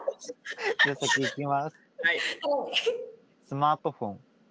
スマートフォン。